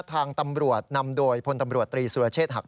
ทางตำรวจนำโดยพลตำรวจตรีสุรเชษฐหัก